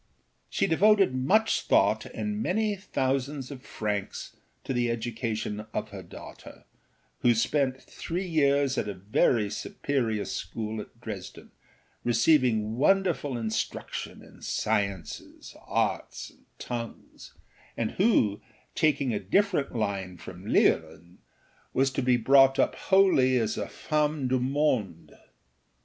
She devoted much thought and many thousands of francs to the education of her daughter, who spent three years at a very superior school at Dresden, receiving wonderful instruction in sciences, arts and tongues, and who, taking a different line from Leolin, was to be brought up wholly as a femme du monde.